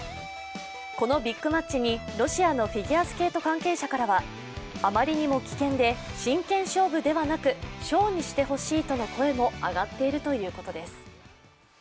このビッグマッチにロシアのフィギュアスケート関係者からはあまりにも危険で、真剣勝負ではなく、ショーにしてほしいとの声も上がっているということです。